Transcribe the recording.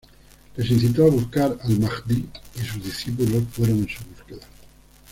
Les incitó a buscar al Mahdi y sus discípulos fueron en su búsqueda.